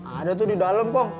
ada tuh di dalam kok